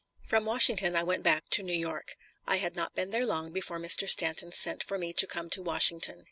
From Washington I went back to New York. I had not been there long before Mr. Stanton sent for me to come to Washington.